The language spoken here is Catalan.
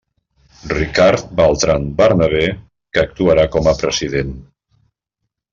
Ricard Beltran Bernabé, que actuarà com a president.